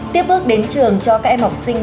tiếp bước đến trường cho các em học sinh